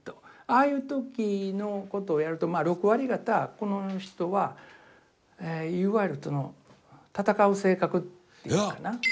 ああいう時のことをやると６割方この人はいわゆる戦う性格っていうかな。